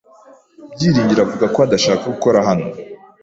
Byiringiro avuga ko adashaka gukora hano